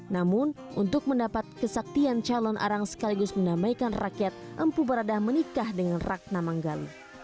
namun untuk mendapat kesaktian calon arang sekaligus menamaikan rakyat empu baradah menikah dengan ratna manggali